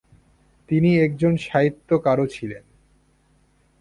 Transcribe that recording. তিনি একজন সাহিত্যকারও ছিলেন।